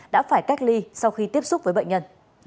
đã phải cách ly sau khi tiếp xúc với bệnh nhân